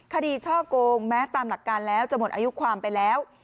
ช่อกงแม้ตามหลักการแล้วจะหมดอายุความไปแล้ว